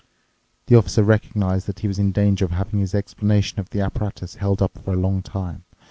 The Officer recognized that he was in danger of having his explanation of the apparatus held up for a long time.